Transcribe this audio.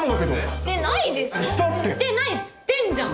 してないっつってんじゃん！